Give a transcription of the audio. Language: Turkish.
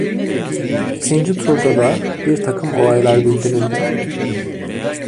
İkinci turda da bir takım olaylar bildirildi.